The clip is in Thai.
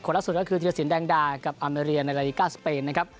ล่าสุดก็คือธิรสินแดงดากับอเมริยในนาฬิกาสเปนนะครับ